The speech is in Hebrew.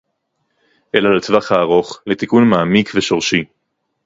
אלא לטווח הארוך, לתיקון מעמיק ושורשי